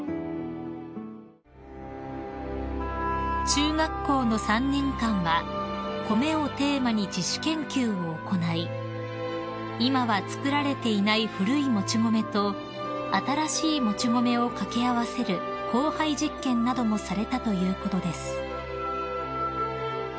［中学校の３年間は「米」をテーマに自主研究を行い今は作られていない古いもち米と新しいもち米を掛け合わせる交配実験などもされたということです］